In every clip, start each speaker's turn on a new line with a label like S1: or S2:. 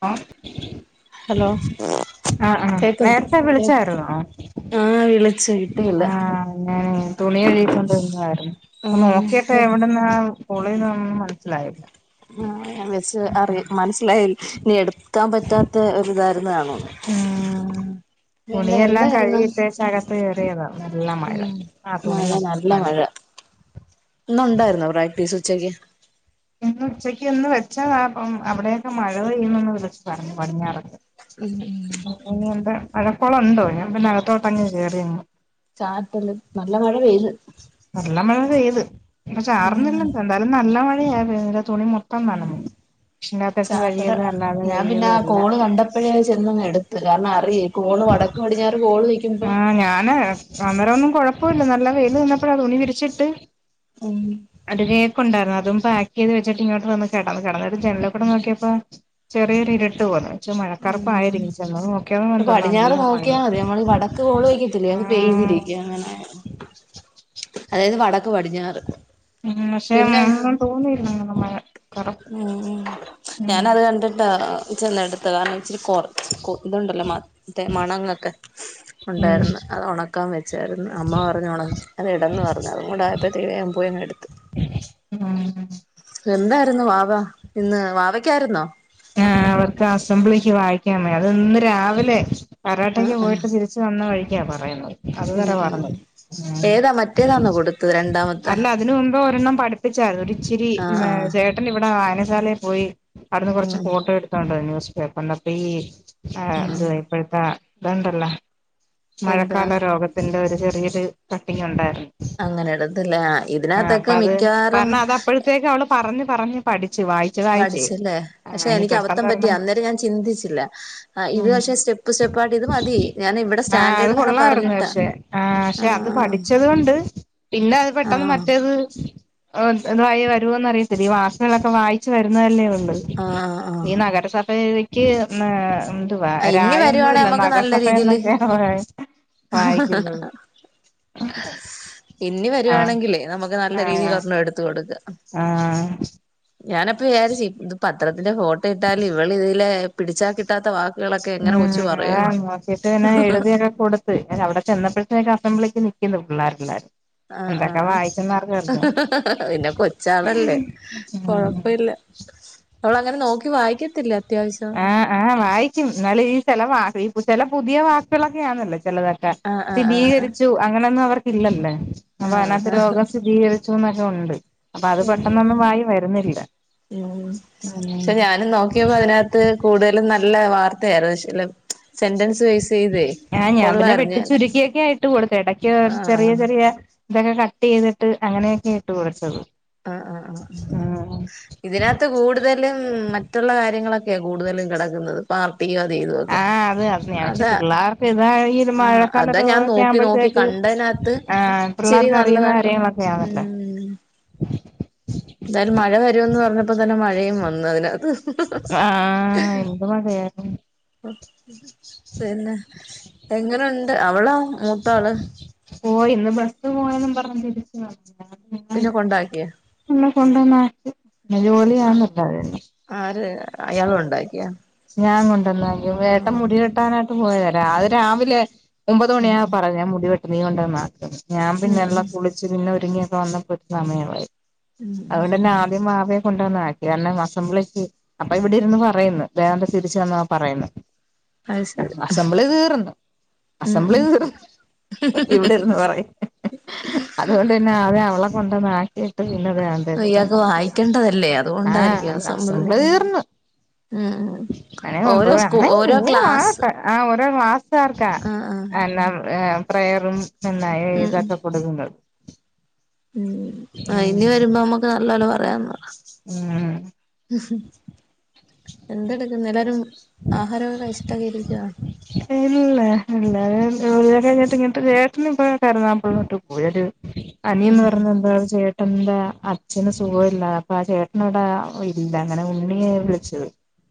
S1: [unintelligible]
S2: Hello
S1: ആ ആ
S2: കേക്കുന്നു
S1: നേരത്തെ വിളിച്ചായിരന്നോ
S2: ആഹ് വിളിച്ചു കിട്ടിയില്ല
S1: ആ [unintelligible] തുണി [unintelligible] അപ്പ
S2: ആഹ്
S1: നോക്കിട്ട് എവിടന്നാ [unintelligible] മനസ്സിലായത്
S2: ൻ വെച്ച് അറിയ മനസ്സിലായി ഇനി എടുക്കാൻ പറ്റാത്ത ഒരു ഇതായിരുന്നു അണോ
S1: ഉം
S2: പിന്നെ
S1: തുണിയെല്ലാം
S2: എന്തായിരുന്നു
S1: കഴുകിയിട്ടേച്ച് അകത്ത് കേറിയതാ നല്ല മഴ
S2: ഉം
S1: ആ തുണി
S2: മഴ
S1: മൊത്തം
S2: നല്ല മഴ
S1: നനഞ്ഞു
S2: ഇന്നുണ്ടായിരുന്നോ പ്രാക്ടീസ് ഉച്ചക്ക്
S1: ഇന്ന് ഉച്ചയ്ക്ക് ഒന്ന് വെച്ചതാ പ്പം അവടെയൊക്കെ മഴ പെയ്യുന്നന്ന് വി ളിച്ച്പറഞ്ഞു പടിഞ്ഞാറെക്കെ
S2: ഉം ഉം
S1: അ എന്ത മഴക്കോളുണ്ടോ ഞാൻ പിന്നെ അകത്തോട്ടങ്ങ് കേറിയങ്ങ്
S2: ചാറ്റല് നല്ല മഴ പെയ്ത്
S1: നല്ല മഴ പെയ്ത്. ഇപ്പ ചാറ്ന്നില്ല
S2: ഉം
S1: എന്തായാലും നല്ല മഴയാ പെയ്തെ തുണി മൊത്തം നനഞ്ഞ്
S2: ചാറ്റല് ഞാൻ പിന്നെ ആ
S1: എല്ലാം
S2: കോള് കണ്ടപ്പഴേ ചെന്നങ്ങ് എട്ത്ത് കാരണം അറിയേ കോണ് വടക്ക് മടിഞ്ഞാറ് കോണ് നക്കുമ്പോ
S1: അപ്പല്ല നല്ല വെൽ നിന്നപ്പോഴാ അ തുണി വിരിച്ചിട്ട്
S2: ഉം
S1: അടിരേക്കുണ്ടാര്ന്ന് അതും പാക്ക് ചെയ്ത് വെച്ചിട്ട്ങ്ങോ് വന്ന് കട്ടന്ന് കിന്നിട്ട് ജനലിൽൂ നോിയപ്പോ ചെറിയരു ഇരിട്ട് പോന്നു
S2: ഉം ട്ട്
S1: എന്തോന്ന്
S2: പടിഞ്ഞാറ്
S1: നല്ല
S2: നോക്കിയാ
S1: മഴയാ
S2: മതി നമ്മള് വടക്ക് കോള് വയ്ക്കത്തില്ലേ അത് പെയ്തി
S1: ആഹ്
S2: [unintelligible]
S1: ഉ പക്ഷെ [unintelligible] തോന്നിയില്ല നമ്മക്ക് മഴ കറുപ്പ്
S2: ഉം ഞാാന
S1: ഉം
S2: അത് കണ്ടിട്ടാ ചെന്ന് എടുത്ത് കാരണം ഇച്ചിരി കൊറ ഇതുണ്ടല്ലോ മ മണങ്ങൊക്കെ
S1: ഉം
S2: ഉണ്ടാരുന്ന് അത് ഒണക്കാൻ വെച്ചാരുന്ന് അമ്മ പറഞ്ഞ് ഒണ അത് ഇടന്ന് പറഞ്ഞു അതും കൂടെ ആയപ്പഴ് ത്തേക്ക്ന് ഞാൻ പോയ് ഇങ്ങെട്ത്ത്
S1: ഉ [unintelligible]
S2: എന്താരുന്നു വാവ ഇന്ന് വാവക്കാരുന്നോ?
S1: ആ അവർക്ക് അസംബ്ലിക്ക് വായിക്കാൻ മേ അത് ഇന്ന് രാവിലെ
S2: ആഹ്
S1: കരാട്ടക്ക്
S2: ആഹ്
S1: പോയിട്ട് തിരിച്ച് വന്ന വഴിക്കാ പറയുന്നത്
S2: ഉം
S1: അതുവരെ
S2: ഉം
S1: വാർന്നു പോയി
S2: ഏതാ
S1: ഉം
S2: മറ്റേതാന്നോ കൊടുത്തത് രണ്ടാമത്തെ
S1: അല്ല അതിന്ന്മുമ്പ് ഒരെണ്ണം പഠിപ്പിച്ചോർന്ന് ഒരു ഇച്ചിരി
S2: ആഹ് ആഹ്
S1: ചേട്ടൻ ഇവിടെ വായന താലേ പോയി അവട്ന്ന് കൊറച്ച്
S2: ഉം
S1: തോണ്ട ന്യൂസ് പേപ്പർന്ന പയി ഇത് ഇപ്പഴത്തെ ഇത ഉണ്ടല്ല
S2: എന്തുവാ
S1: മഴക്കാല രോഗത്തിന്റെ ഒരു ചെറിയൊരു കട്ടിങ് ഉണ്ടായിരുന്നു
S2: അങ്ങനെ ഇടത്തില്ല
S1: ആ അപ്പ
S2: ഇതിനകത്തൊക്കെ
S1: അത്
S2: മിക്കവാറും
S1: പറഞ്ഞ അത് അപ്പോഴത്തേക്ക് അവള് പറഞ്ഞ് പറഞ്ഞു പഠിച്ചു വായിച്ചു വായിച്ചേ
S2: പഠിച്ചല്ലേ
S1: ആ
S2: പക്ഷെ
S1: ഇനി
S2: എനിക്ക് അവത്തം
S1: പെട്ടെന്ന്
S2: പറ്റി
S1: ഒരെണ്ണം
S2: അന്നേരം ഞാൻ ചിന്തിച്ചില്ല ഇത്
S1: ഉം
S2: പക്ഷെ സ്റ്റെപ്പ് സ്റ്റെപ്പായിട്ട് ഇത് മതി ഞാൻ ഇവിടെ
S1: ആഹ് അത്
S2: സ്റ്റാൻഡേർഡും കൂടെ
S1: കൊള്ളാരുന്ന്
S2: പറഞ്ഞിട്ടാ
S1: പക്ഷേ ആ പക്ഷെ അത്
S2: ആഹ്
S1: പഠിച്ചത് കൊണ്ട് പിന്നെ അത് പെട്ടെന്ന്
S2: ആഹ്
S1: മറ്റ ത് ഏഹ് ഇതായി വരുവോന്നറിയത്തില്ല ഈ വാർത്തകളൊക്കെ വായിച്ച് വരുന്നതല്ലേ ഒള്ള്
S2: ആഹ് ആഹ് ആഹ്
S1: എനിക്ക് ഒന്ന് ഉം ട്ട് വാ
S2: ആഹ്
S1: രാ
S2: ഇനി വരുവാണെ
S1: യൊന്നൂല്ല
S2: നമുക്ക് നല്ല രീതിയില്
S1: നഗസഭേന്നൊക്കെയാ വായിക്കുന്നത്.
S2: ഇനി
S1: ആഹ്
S2: വരുവാണെങ്കിൽ നമുക്ക് നല്ല രീതിൽ ഒരെണ്ണം എടുത്ത കൊടു
S1: ആഹ
S2: ഞാനപ്പ വിചാരിച്ച ഇത് പത്രത്തിന്റെ ഫോട്ടോ ഇട്ടാലും ഇവള് തെലെ പിടിച്ചാൽ കിട്ടാത്ത വാക്ക്
S1: ഉം അതാ നോക്കീട്ട് പിന്നെ എഴുതിയൊക്കെ കൊടുത്ത് അവിടെ ചെന്നപ്പോഴത്തേൊക്കെ അസംബ്ലിക്ക് എക്കള്ളാറുള്ളർ [unintelligible]
S2: ആഹ ആഹ ആഹ പിന്നെ കൊച്ചാളല്ലേ
S1: ഉം
S2: കൊഴപ്പല്ല അവള അങ്ങനെ നോക്കി വായിക്കത്തില്ല അത്യാവശ്യം
S1: ആഹ ആഹ വായിക്കും എന്നാല ഈ ചില ഈ ചില പുതിയ വാക്കുകളൊക്കെയാണല്ലോ ചിലതൊക്കെ
S2: ആഹ് ആഹ് ആഹ്
S1: സ്ഥിതീകരിച്ചു അങ്ങനെയൊന്നും അവർക്കല്ലല്ലേ അപ്പൊ
S2: ആഹ്
S1: അതിനകത്ത്
S2: ആഹ്
S1: രോഗം സ്ഥിരീകരിച്ചുന്നൊക്കെ ഉണ്ട് അപ്പൊ അത്
S2: ഉം
S1: പെട്ടെന്നൊന്നും വായി വരുന്നില്ല
S2: ഉം പക്ഷെ ഞാനും നോക്കിയപ്പോ അതിനകത്ത് കൂടുതലും നല്ല വാർത്തയായിരുന്നു സെന്റൻസ് ബേസ് ചെയ്തേ
S1: ആഹ ഞാൻ പിന്നെ
S2: കൊള്ളായിരുന്നു ഞാൻ
S1: വെട്ടിച്ചുരുക്കിയൊക്കെ ആയിട്ട് കൊടുത്ത ഇടക്ക്
S2: ആഹ്
S1: ചെറിയ
S2: ആഹ്
S1: ചെറിയ ഇതൊക്കെ കട്ട് ചെയ്തിട്ട് അങ്ങനെയൊക്കെ ഇട്ട് കൊടുത്തത്
S2: ആ ആ ആ
S1: ആഹ്
S2: ഇതിനകത്ത് കൂടുതലും മറ്റുള്ള കാര്യങ്ങളൊക്കെ കൂടുതലും കിടക്കുന്നത് ചെയ്ത് [unintelligible]
S1: ആഹ് അത് അത് ഞാൻ
S2: അത
S1: വെച്ച് പിള്ളേർക്ക് ഇതാ ഈ ഒരു
S2: അത ഞാൻ
S1: മഴക്കാലൊക്കെ
S2: നോക്കി നോക്കി
S1: ആവുമ്പോഴത്തേക്ക്
S2: ഉള്ളതിനകത്ത്
S1: ആഹ്
S2: ചിരി
S1: പിള്ളേർക്ക് അറിയുന്ന
S2: നല്ലതാ കേട്ടോ
S1: കാര്യങ്ങളൊക്കെയാണല്ലോ
S2: എന്തായാലും മഴ വരമന്ന് പറഞ്ഞപ്പോ തന്നെ മഴയും വന്നു അതിനകത്ത്
S1: ആഹ എന്ത് മഴയും
S2: പിന്നെ എങ്ങനെുണ്ട് അവളാ മൂത്ത ആള്
S1: പോയി ഇന്ന് ബസ് പോയും പറഞ്ഞിരിക്കുവാ
S2: പിന്നെ കൊണ്ടാക്കിയ
S1: [unintelligible] കൊണ്ട് വന്നു ആക്കി
S2: ആ
S1: പിന്നെ [unintelligible]
S2: ആര് അയാള് ഉണ്ടാക്കിയ
S1: ഞാൻ കൊണ്ടന്ന ഏട്ടൻ മുടി വട്ടൻ ആയിട്ട് പോയത് അത് രാവിലെ ഒമ്പത്
S2: ഉം
S1: മണിയാ പറയാ ഞാൻ മുടിവെട്ടു നീ കൊണ്ട് വന്നു അക്കെന്ന് ഞാൻ
S2: ഉം
S1: [unintelligible] അങ്ങനെയൊക്കെ വന്നപ്പോൾ സമയമായി അതുകൊണ്ട് തന്നെ ആദ്യം കൊണ്ടുവന്ന ആക്കി [unintelligible] അസംബ്ലിക്ക് അപ്പ ഇവിടെ ഇരുന്ന് പറയുന്നു വേദാന്ത തിരിച്ച വന്ന പറയുന്നു
S2: അത് ശരി
S1: അസംബ്ലി തീർന്നു
S2: ഉം ഉം
S1: അസംബ്ലി തീർന്നു ഇവിടെന്ന് പറയും അതുകൊണ്ട് തന്നെ അവളെ കൊണ്ടു വന്നു ആക്കിയിട്ട് പിന്നത [unintelligible] അതേ പട്ടാക്ക
S2: ഇയാൾക്ക് വായിക്കേണ്ടതല്ലേ
S1: ആഹ
S2: അതുകൊണ്ടായിരിക്കും
S1: അ അസംബിന് തീർന്നു
S2: മം
S1: അന [unintelligible] ഒൻമ്പത് വ നീന [unintelligible] വാട്ടെ ആ ഒരാൾ വാസത്താർക്കാ
S2: ആ
S1: [unintelligible]
S2: ആ
S1: എല്ലാം പ്രയറും എന്നാ
S2: ഉം ഉം
S1: ഇതാക് [unintelligible]
S2: ഉം ആ ഇനി വരുമ്പോ നമ്മുക്ക് നല്ല പോലെ പറയാന്ന് പറ
S1: ഉം
S2: ഹുഹ് എന്തെടുക്കുന്നു എല്ലാവരും ആഹാരം ഒക്കെ കഴിച്ചിട്ട ഇഷ്ടാക്കെ [unintelligible] ഇരിക്ക
S1: ഇല്ല ഇല്ല കഴിഞ്ഞിട്ട് ഇങ്ങിട്ട് ചേട്ടന് ഇ കരുന്നാമ്പഴ് [unintelligible] അനിയന്ന് പറഞ്ഞ എന്താണ് ചേട്ട എന്താ അച്ഛന് സുഖമല്ല അപ്പൊ ആ ചേട്ടൻ ഇവിടെ ഇല്ല അങ്ങനെ ഉണ്ണിയെ വിളിച്ചത്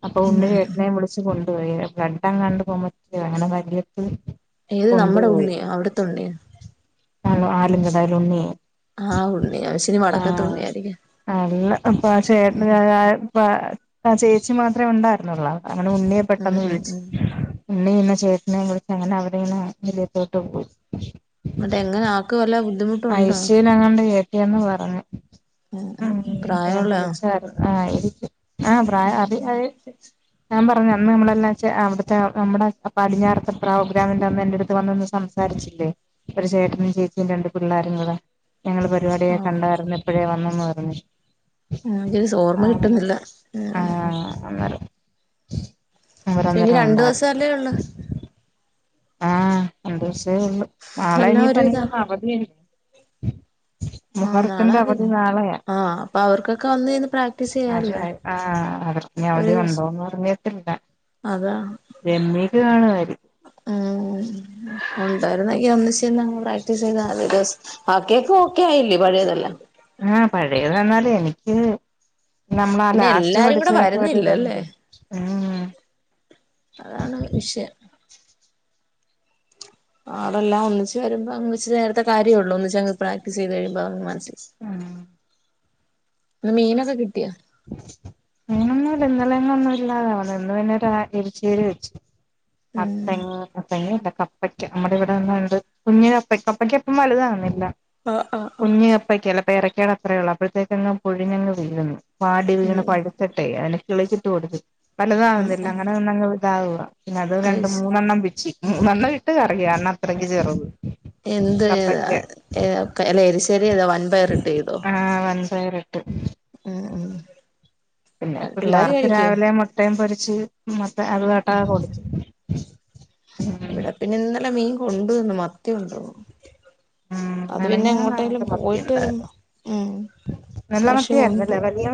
S1: അപ്പൊ
S2: ഉം
S1: ഉണ്ണിൽ
S2: ഉം
S1: ചട്ടനയും വിളിച്ചു കൊണ്ടുപോയി ബഡം [unintelligible] കണ്ട പോകുമറ്റ [unintelligible] അങ്ങനെ വലിയ
S2: ഏത് നമ്മുടെ
S1: കൊണ്ടുപോയി
S2: ഉണ്ണിയോ അവിടുത്തെ ഉണ്ണിയോ
S1: നും ആലും [unintelligible] കടാല ഉണ്ണി
S2: ആഹ ഉണ്ണി ശരി പടക്കത്തെ ഉണ്ണി ആയിരിക്കും
S1: നല്ല ഇപ്പൊ ചേട് [unintelligible] ആ ചേച്ചി മാത്രമേ ഉണ്ടായിരുന്നുള്ളൂ അങ്ങനെ ഉണ്ണിയെ
S2: ഉം
S1: പെട്ടെന്ന്
S2: ഉം
S1: വിളിച്ചു
S2: ഉം
S1: ഉണ്ണി പിന്നെ ചേട്ടനെ വിളിച് [unintelligible] വലിയത്തോട്ട് പോയി
S2: എന്നിട്ട് എങ്ങനെ ആക്ക് വല്ല ബുദ്ധിമുട്ടുണ്ടോ
S1: ഐസിയുവിൽ എങ്ങാണ്ട് കേറ്റി എന്ന് പറഞ്ഞു
S2: ഉം ഉം
S1: ഉ ഞാൻ
S2: പ്രായമുള്ള
S1: വിളിച്ച ആ ആയ [unintelligible] അ അ ഞാൻ പറഞ്ഞു അന്ന് നമ്മളെല്ലാ അവിടുത്തെ നമ്മടെ പടിഞ്ഞാറത്ത പ്രോഗ്രാമിന്റെ അന്ന് എന്റെ അടുത്ത് വന്ന സംസാരിച്ചില്ലേ ഒരു ചേട്ടനും ചേച്ചിം രണ്ട് പിള്ളോരും കൂടെ ഞങ്ങള പരിപാടിയെ
S2: ആ
S1: കണ്ടായിരുന്നു ഇപ്പോഴേ വന്നന്ന് പറഞ്ഞു.
S2: ഉം സ് ഓർമ്മ
S1: ആഹ്
S2: കിട്ടുന്നില്ല ആ ആഹ് ഇനി
S1: അവരന്നരം
S2: രണ്ടു
S1: ഒണ്ടാ
S2: ദിവസല്ലേ ഉള്ളു
S1: ആഹ് രണ്ട് സേ ഒള്ളു. നാളെ
S2: എല്ലാം ഒരു
S1: ഇനീപനിക്കൊന്നുന്നു അവധിയല്ലേ.
S2: ഉ [inaudible] ആഹ് നാളെ
S1: മുഹറത്തിന്റെ
S2: അവ
S1: അവധി നാളെയാ
S2: ആഹ് അപ്പൊ അവർക്കൊക്കെ ഒന്നെന്ന് പ്രാക്ടീസ് ചെയാല്ലോ.
S1: ഇനി അവിടെ ഉണ്ടോന്ന് പറഞ്ഞിട്ടില്ല.
S2: അതാ
S1: രമ്യക്ക് കാണ
S2: ഉം ഒണ്ടായിരുന്നെങ്കി ഒന്നിച്ചന്നങ്ങ് പ്രാക്ടീസ് ചെയ്തദിദെവസോം. ബാക്കിയക്ക ഓക്കെ ആയില്ലി പഴയതെല്ല.
S1: ആഹ് പഴേത് വന്നാല് എനിക്ക് നമ്മളാ
S2: പിന്നെ
S1: ലാസ്റ്റ്
S2: എല്ലാരും കൂടെ
S1: പഠിച്ചതൊക്കെ
S2: വരുന്നില്ലല്ലേ
S1: ഓരിതോണ്ട് ഉം.
S2: അതാണ് വിഷയം. ആളെല്ലാം ഒന്നിച്ച് വരുമ്പോ അന്ന് ഇച്ചിരി നേരത്തെ കാര്യേള്ള് ഒന്നിച്ചങ് പ്രാക്ടീസ് ചെയ്ത് കഴിയുമ്പോ അതങ്ങ് മനസില
S1: ആഹ്
S2: ന്ന് മീൻ ഒക്കെ കി
S1: [unintelligible] ഇന്നലെങ്ങ ഒന്നും ഇല്ലാതവന്നെ ഇന്ന് പിന്നെ എരിച്ചിരി വെച്ചു. മത്ത
S2: ഉം
S1: മത്തങ്ങല്ല ക പ്പയ്ക്ക നമ്മുടെ ഇവിടെന്നണ്ട് കുഞ്പ്പയ്ക്ക് അപ്പയ്ക്ക ഇപ്പം വലുതാകുന്നില്ല.
S2: ആഹ് ആഹ് ആഹ്
S1: കുഞ്ഞ് കപ്പക്കല്ല പേരക്കേട അത്രേ ഒള്ള് അപ്പോഴത്തേക്കങ്ങ് പൊഴിഞ്ഞങ് വീഴുന്നു. പാടി വീണ്
S2: ഉം
S1: പഴിത്തിട്ടെ അതിന് കിളിച്ചിട്ട് കൊടുത്തു പലുത
S2: ആഹ്
S1: ആവുന്നില്ല
S2: ആഹ്
S1: അങ്ങനെ നിന്നങ് ഇതാവുവാ. പിന്നെ അത് രണ്ട് മൂന്നെണ്ണം പിച്ചി മൂന്നെണ്ണം ഇട്ട് കറിക്ക് കർണ അത്രയ്ക്ക് ചെറുത്.
S2: എന്ത്
S1: കപ്പയ്ക്ക
S2: അല്ല എരിശേരി ഏത വൻ പയറിട്ട് ചെയ്തോ?
S1: വൻപയർ ഇട്ട്
S2: ഉം ഉം
S1: പിന്നെ
S2: പിള്ളേര്
S1: പിള്ളേർക്ക്
S2: കഴിക്കോ
S1: രാവിലെ മൊട്ടയും പൊരിച്ച് മസ അത് കേട്ടാ [unintelligible]
S2: ഇവിടെ പിന്നെ ഇന്നലെ മീൻ കൊണ്ടുവന്നു. മത്തി കൊണ്ടുവന്നു.
S1: ഉം
S2: അത് പിന്നെ എങ്ങോട്ടായാലും
S1: മെനഞ്ഞാന്നാണെന്റെ മത്തി
S2: പോയിട്ട് വരുമ്പോ
S1: ഉണ്ടായിരുന്നു
S2: ഉം.
S1: നല്ല
S2: കഷി കൊണ്ട്
S1: മത്തിയായിരുന്നല്ലേ വലിയ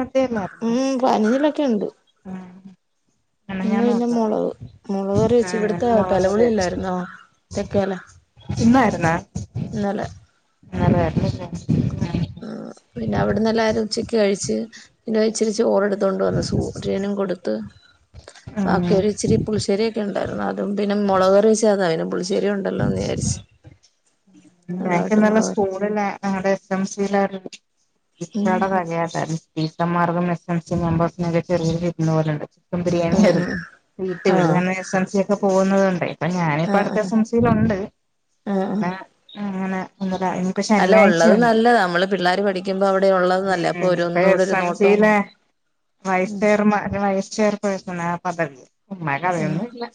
S2: ഉം പനിലൊക്കെ ഉണ്ട്.
S1: ആഹ്
S2: ഇന്ന് പിന്നെ മൊളക് കറി വെച്ച്
S1: ആഹ്
S2: ഇവിടത്തെ
S1: മുളക് കറി
S2: പെലകുളി ഇല്ലാരുന്നോ? തെക്കേല
S1: ഇന്നായിരുന്ന
S2: ഇന്നലെ
S1: [unintelligible]
S2: ഉം പിന്നെ അവിടുന്ന് എല്ലാരും ഉച്ചക്ക് കഴിച്ച് പിന്നെ ഇച്ചിരിചോറെടുത്തോണ്ട് വന്ന് സൂര്യനും കൊടുത്ത്
S1: ആഹ്
S2: ബാക്കി ഒരു ഇച്ചിരി പുളിശ്ശേരി ണ്ടായിരുന്നു അതും പിന്നെ മുളകറി വച്ചേതാ അയിനും പുളശ്ശേരി ഉണ്ടല്ലോന്ന് വിയാരിച്ച്.
S1: ഞനക്ക്ന്നല്ല സ്കൂളില ഞങ്ങളുടെ എസ് എം സയില
S2: ഉം
S1: ടിച്ചർടെ വലയതായിരുന്നു. സ മാർഗം എസ് എം സി മെമ്പേഴ്സിനക്കെറിയരു പോലുണ്ട്.
S2: ഉം
S1: ബിരിയണിയാവും
S2: ഉം
S1: വീട്ടി വിട
S2: ആഹ്
S1: എസ് എം സി ഒക്കെ പോകുന്നതുണ്ടേ. അപ്പൊ ഞാനിപ്പ
S2: ആഹ്
S1: അടുത്ത
S2: ആഹ്
S1: എസം സി ലുണ്ട്
S2: ആഹ്
S1: പിന്ന
S2: ആഹ്
S1: അങ്ങനെ അ ഇപ്പോ
S2: അല്ല ഉള്ളത്
S1: ശനിയാഴ്ചുണ്ട്.
S2: നല്ലതാ നമ്മള് പിള്ളേര് പഠിക്കുമ്പോ അവിടെ ഉള്ളത്
S1: ഉ
S2: നല്ലതാ ഒരു
S1: അപ്പൊ
S2: ഒന്നൂടെ
S1: സ്
S2: ഒരു
S1: എം സി
S2: നോട്ടവും
S1: അല്ലെ വൈസ് ചെയർമാർ വൈസ് ചെയർ പഴസ പദവി ഉ മ
S2: ഉം
S1: കർയൊന്നുല്ല.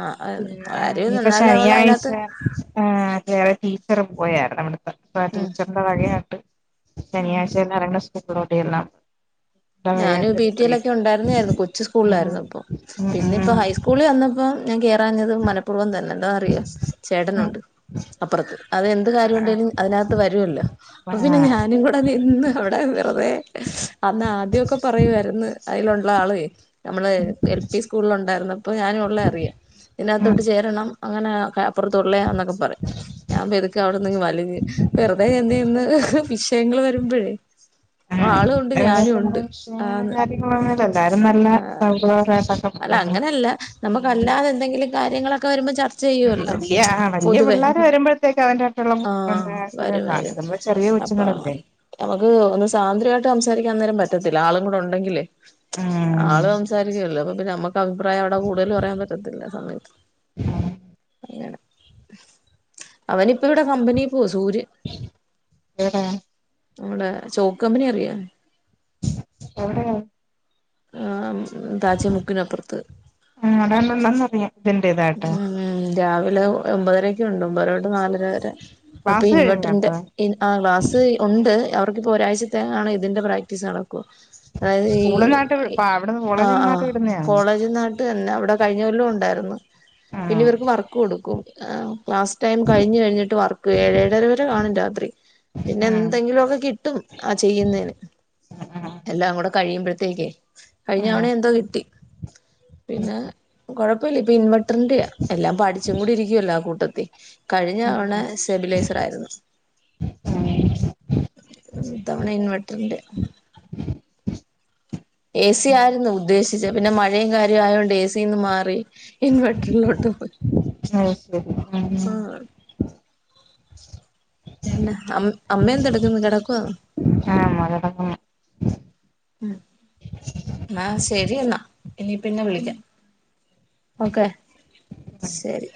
S2: ആ
S1: പി
S2: ആരും
S1: ഇനിപ്പോ
S2: എന്നാലും അവള്
S1: ശരിയാഴ്ച
S2: അതിനകത്ത്
S1: ആഹ് ടീച്ചർ പോയായിരുന്നു. അവിടത്തെ അ ആ
S2: ഉം
S1: ടീച്ചറിന്റെ വകആയിട്ട് ശനിയാഴ്ച തന്നെ ഇറങ്ങണ്ട പുറോട്ടിയ എല്ലാം.
S2: ഞാനൻ പി ടി എൽ ഒക്കെ ഉണ്ടായിരുന്നരുന്നു. കൊച്ച്
S1: ഉം
S2: സ്കൂളിലായിരുന്നപ്പൊ.
S1: ഉം
S2: പിന്നെ ഇപ്പോ
S1: ഉം
S2: ഹൈസ്കൂളി വന്നപ്പോ ഞാൻ കേ പറഞ്ഞത് മനപ്പുർവ്വം തന്നെ. എല്ലാ അറിയ
S1: ഉം
S2: ചേട്ടനുണ്ട്. അപ്പുറത്ത് അത് എന്ത് കാര്യം ഒണ്ടേിലും
S1: ആഹ്
S2: അതിനകത്ത് വരുല്ലോ അപ്പ പിന്നെ
S1: ആഹ്
S2: ഞാനും കൂടെ നിന്ന് അവിടെ വെറുതെ അന്ന് ആദ്യൊക്കെ പറയുവാരുന്നു അയ്ലൊള്ള ആള് നമ്മള് എൽ പി സ്കൂളിൽ ഒണ്ടായിരുന്നപ്പൊ ഞാനും ഒള്ളെ അറിയാം
S1: ഉം
S2: ഇതിനകത്തോട്ട് ചേരണം അങ്ങനെ അപ്പർത്തുള്ളേ എന്നൊക്കെ പറയും ഞാൻ പെതുക്ക അവിടിന്നങ്ങ് വലിഞ്ഞ് വെറുതെ ചന്തന്ന് വിഷയങ്ങൾ വരുമ്പഴേ ആളും ഉണ്ട് ഞാനും ഉണ്ട്
S1: അ
S2: ആന്ന്.
S1: കാര്യങ്ങള എല്ലാവാരും നല്ല സൗഹ്ര
S2: അല്ല അങ്ങനെല്ല നമ്മുക്കല്ലാതെ എന്തെങ്കിലും കാര്യങ്ങളൊക്കെ വരുമ്പോ ചർ
S1: വലിയ വല്ല്യ പിള്ളോര് വരുമ്പഴ്ത്തേക്ക് അതിന്റെ
S2: ആഹ് വരും വരും.
S1: ആട്ടുള്ള ചെറിയ
S2: അപ്പൊ
S1: കൊച്ചങ്ങളുണ്ട്
S2: നമുക്ക് ഒന്ന് സ്വതന്ത്രായിട്ട് സംസാരിക്കാൻ നേരം പറ്റത്തില്ല ആളും കൂടൊ ഒണ്ടങ്കിലേ
S1: ഉം
S2: ആള് സംസാരിക്കേലല്ലോ അപ നമുക്ക് അഭിപ്രായം അവിടെ കൂടുതൽ പറയാൻ പറ്റത്തില്ല സമയത്ത് അവനിപ്പോ ഇവിടെ കമ്പനി പോ
S1: [unintelligible]
S2: നമ്മടെ ചോക്കമ്പിനി അറിയാ
S1: എവിടെയാ
S2: ആ താജമുക്കിനപ്പുറത്ത്
S1: ഉം അതാണ്ടുള്ളന്നറിയാം ഇതിന്റെ ഇതായിട്ട്
S2: ഉം രാവിലെ ഒമ്പതരൊക്കെണ്ട് ഒമ്പതര ട്ട് നാലര വരെ ഇപ്പ
S1: ക്ലാസ് കഴിഞ്ഞോ
S2: ഇൻവെർട്ടറിന്റെ
S1: അപ്പൊ
S2: ഇൻ ആ ളാസ് ഒണ്ട് ഇപ്പൊരാഴ്ചത്തേങ്ങാണ് ഇതിന്റെ പ്രാക്ടീസ് നടക്കുവ അതായത്
S1: സ്കൂളിന്നാട്ട്
S2: ഈ
S1: ഇപ്പ അവിടുന്ന്
S2: ആ
S1: കോളേജിന്നാട്ട്
S2: ആഹ്
S1: വിടുന്നയാണോ
S2: കോളേജ് നാട്ട് തന്നെ അ ടെ കഴിഞ്ഞ കൊല്ലോണ്ടായിരുന്നു പിന്നെ
S1: ആഹ്
S2: ഇവർക്ക് വർക്ക് കൊടുക്കും ക്ലാസ് ടൈം കഴിഞ്ഞഴിഞ്ഞിട്ട് വർക്ക് ഏഴര വരെ കാണും രാത്രി പിന്നെ
S1: ആഹ്
S2: എന്തെങ്കിലൊക്കെ കിട്ടും ആ ചെയ്യുന്നേന്
S1: ആഹ്
S2: എല്ലാം കൂടെ കഴിയുമ്പഴ്ത്തേക്ക കഴിഞ്ഞവണ
S1: ആഹ്
S2: എന്തോ കിട്ടി പിന്നെ കൊഴ അല്ല ഇപ്പൊ ഇൻവെർട്ടറിന്റെയാ എല്ലാം പഠിച്ചും കൂടി ഇരിക്കുവല്ലോ ആ കൂട്ടത്തി കഴിഞ്ഞ
S1: ഉം
S2: തവണ
S1: ഉം
S2: സ്റ്റെബിലൈസർ ആയിരുന്നു ഇ തവണ ഇൻവെർട്ടറിന്റെ എ സി ആയിരുന്നു ഉദ്ദേശിച്ച പിന്നെ മഴേം കാര്യോം ആയൊണ്ട് എ സിന്ന് മാറി ഇൻവെർട്ടർ ലോട്ട് പോ
S1: അത് ശരി
S2: ആ പിന്നെ അം അമ്മ എന്ത എടുക്കുന്നു കെടക്കുവാന്നോ
S1: ഉം ആഹ്
S2: ഉം ആ ശരി ശരി എന്നാ ഇനി പിന്നെ വിളിക്കാം ഓക്കെ ശരി